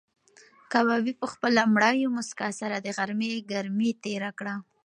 کبابي په خپله مړاوې موسکا سره د غرمې ګرمي تېره کړه.